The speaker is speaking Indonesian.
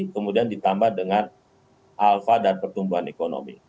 kemudian ditambah dengan alfa dan pertumbuhan ekonomi